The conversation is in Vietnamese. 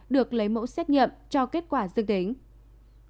được lấy mẫu xét nghiệm cho kết quả dương tính